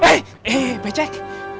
eh eh eh becek